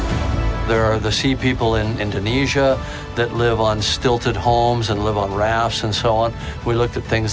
ada orang laut di indonesia yang hidup di rumah yang berkulit dan hidup di rakaman dan sebagainya